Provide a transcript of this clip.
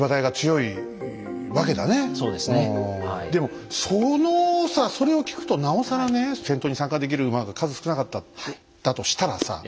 でもそれを聞くとなおさらね戦闘に参加できる馬が数少なかったとしたらさ